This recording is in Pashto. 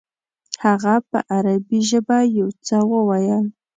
هغه په عربي ژبه یو څه وویل.